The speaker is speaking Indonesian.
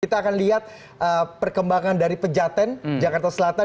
kita akan lihat perkembangan dari pejaten jakarta selatan